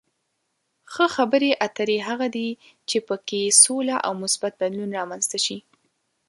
ښه خبرې اترې هغه دي چې په کې سوله او مثبت بدلون رامنځته شي.